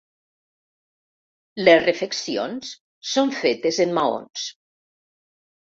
Les refeccions són fetes en maons.